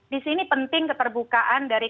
disini penting keterbukaan dari